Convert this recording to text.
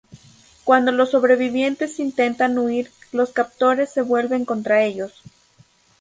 Cuando los sobrevivientes intentan huir, los captores se vuelven contra ellos.